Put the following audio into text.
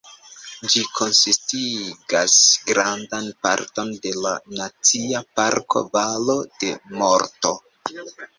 Ĝi konsistigas grandan parton de la Nacia Parko Valo de Morto.